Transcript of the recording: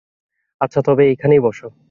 আচ্ছা, তবে এইখানেই বোসো।